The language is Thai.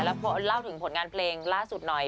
แล้วเล่าถึงผลงานเพลงล่าสุดหน่อย